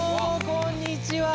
こんにちは！